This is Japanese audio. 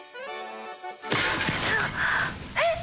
えっ？